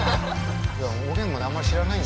おげんもねあんまり知らないんだけど。